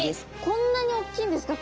こんなにおっきいんですか？